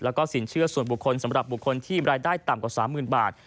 แล้วก็สินเชื่อส่วนบุคคลสำหรับบุคคลที่รายได้ต่ำกว่า๓๐๐๐บาท